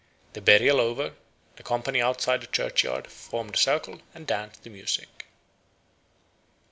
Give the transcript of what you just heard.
The burial over, the company outside the churchyard formed a circle and danced to music.